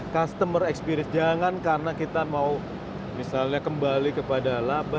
customer experience jangan karena kita mau misalnya kembali kepada laba